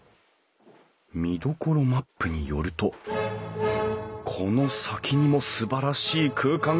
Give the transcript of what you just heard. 見どころマップによるとこの先にもすばらしい空間が。